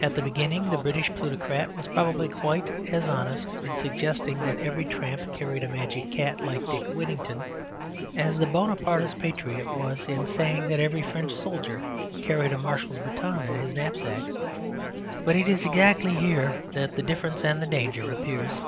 At the beginning, the British plutocrat was probably quite as honest in suggesting that every tramp carried a magic cat like Dick Whittington, as the Bonapartist patriot was in saying that every French soldier carried a marshal's baton in his knapsack. But it is exactly here that the difference and the danger appears.